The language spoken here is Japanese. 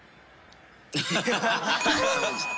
ハハハハ！